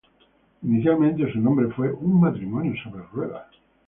Inicialmente su nombre fue "Un matrimonio sobre ruedas".